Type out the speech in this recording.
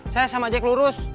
saya sama jack lurus